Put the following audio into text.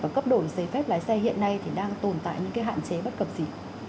và cấp đổi giấy phép lái xe hiện nay thì đang tồn tại những cái hạn chế bất cập gì